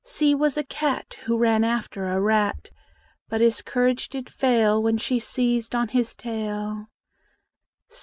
C was a cat Who ran after a rat; But his courage did fail When she seized on his tail.